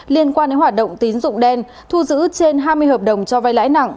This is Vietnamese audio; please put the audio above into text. liên quan đến hoạt động tín dụng đen thu giữ trên hai mươi hợp đồng cho vay lãi nặng